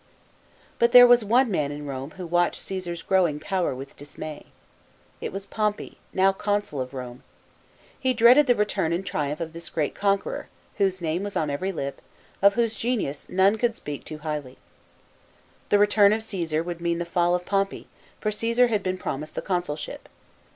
But there was one man in Rome who watched Caesar's growing power with dismay. It was Pom pey, now consul of Rome. He dreaded the return 184 CROSSING THE BUBICON. [B.C. 49. and triumph of this great conqueror, whose name was on every lip, of whose genius none could spe.'ik too highly. The return of Caesar would mean the fall of Pompey, for Caesar had been promised the consulship.